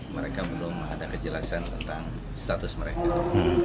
mereka belum ada kejelasan tentang status mereka